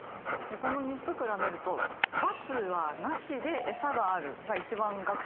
この３つ比べると「罰はなしで餌がある」が一番学習効率良かった。